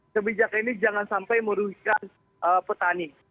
kebijakan ini jangan sampai merugikan petani